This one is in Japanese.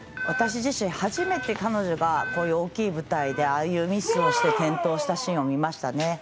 私自身、初めて彼女がこういう大きい舞台でミスをして転倒したシーンを見ました。